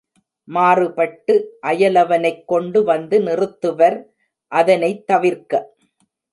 மாறுபட்டு அயலவனைக் கொண்டு வந்து நிறுத்துவர் அதனைத் தவிர்க்க!